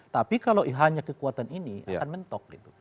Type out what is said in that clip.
tapi kalau hanya kekuatan ini akan mentok gitu